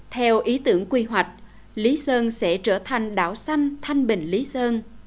theo ý tưởng quy hoạch lý sơn sẽ trở thành đảo xanh thanh bình lý sơn